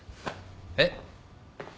えっ？